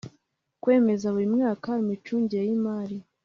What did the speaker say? kwemeza buri mwaka imicungire yimari